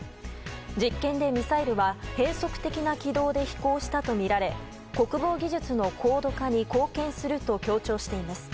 実験でミサイルは変則的な軌道で飛行したとみられ国防技術の高度化に貢献すると強調しています。